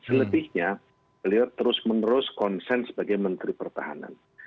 selebihnya beliau terus menerus konsen sebagai menteri pertahanan